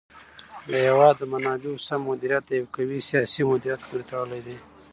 د هېواد د منابعو سم مدیریت د یو قوي سیاسي مدیریت پورې تړلی دی.